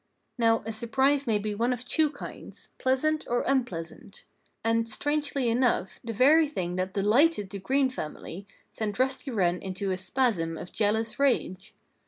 Now, a surprise may be one of two kinds pleasant or unpleasant. And, strangely enough, the very thing that delighted the Green family sent Rusty Wren into a spasm of jealous rage.